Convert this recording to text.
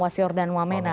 wasior dan wamena